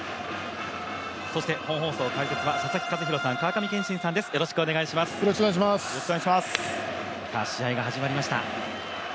そして、本放送解説は佐々木主浩さん、川上憲伸さんです試合が始まりました。